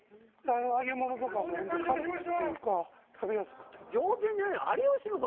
揚げ物とかも軽くっていうか食べやすくて。